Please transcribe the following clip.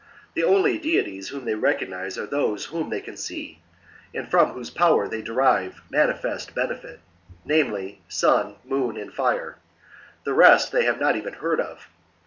The only deities whom they recognize ^re those whom they can see, and from whose power they derive manifest benefit, namely, Sun, Moon, and Fire : the rest they have not even heard of.